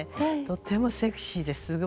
とてもセクシーですばらしい。